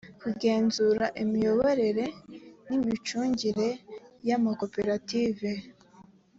kugenzura imiyoborere n imicungire y amakoperative